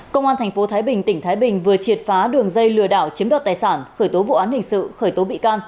công an tp thái bình tỉnh thái bình vừa triệt phá đường dây lừa đảo chiếm đoạt tài sản khởi tố vụ án hình sự khởi tố bị can